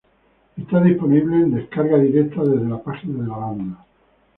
Está disponible en descarga directa desde la página de la banda.